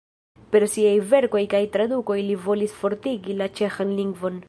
Per siaj verkoj kaj tradukoj li volis fortigi la ĉeĥan lingvon.